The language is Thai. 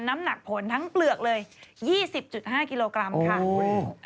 น้ำหนักผลทั้งเปลือกเลย๒๐๕กิโลกรัมค่ะคุณ